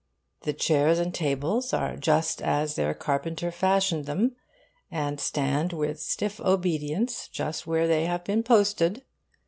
The chairs and tables are just as their carpenter fashioned them, and stand with stiff obedience just where they have been posted.